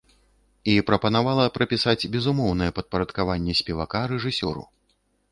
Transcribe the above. І прапанавала прапісаць безумоўнае падпарадкаванне спевака рэжысёру.